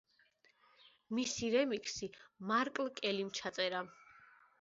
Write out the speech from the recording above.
მისი რემიქსი მარკ კელიმ ჩაწერა.